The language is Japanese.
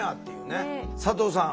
佐藤さん